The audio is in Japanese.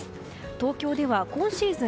東京では今シーズン